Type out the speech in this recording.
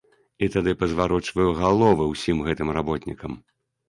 І тады пазварочваю галовы ўсім гэтым работнікам.